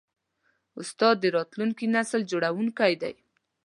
استاد د راتلونکي نسل جوړوونکی دی.